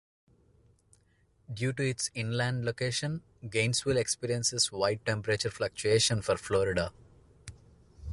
Due to its inland location, Gainesville experiences wide temperature fluctuation for Florida.